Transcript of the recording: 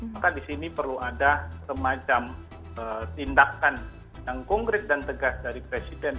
maka di sini perlu ada semacam tindakan yang konkret dan tegas dari presiden